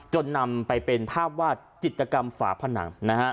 นำไปเป็นภาพวาดจิตกรรมฝาผนัง